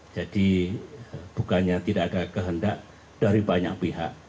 jadi bukannya tidak ada kehendak dari banyak pihak